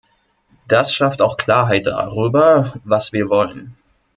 Das schafft auch Klarheit darüber, was wir wollen.